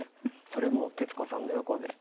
それも徹子さんの横で。